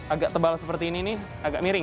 agak tebal seperti ini nih agak miring